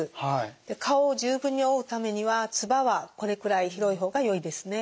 顔を十分に覆うためにはつばはこれくらい広い方がよいですね。